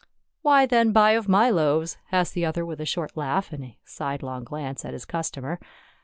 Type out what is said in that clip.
"Why then buy of my loaves?" asked the other with a short laugh and a sidelong glance at his cus tomer.